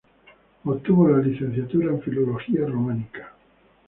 Obtuvo la licenciatura en Filología Románica.